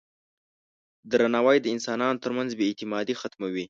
درناوی د انسانانو ترمنځ بې اعتمادي ختموي.